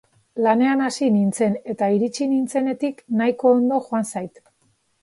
Lanean hasi nintzen, eta iritsi nintzenetik nahiko ondo joan zait.